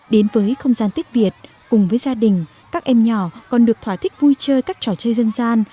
đến với không gian tết việt cùng với gia đình các em nhỏ còn được thỏa thích vui chơi các trò chơi dân gian